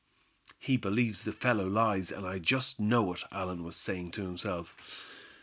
"He believes the fellow lies; and I just know it," Allan was saying to himself.